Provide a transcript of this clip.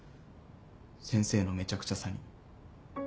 先生のめちゃくちゃさに。